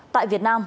tại việt nam